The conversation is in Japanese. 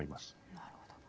なるほど。